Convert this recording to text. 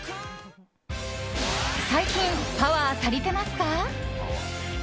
最近、パワー足りてますか？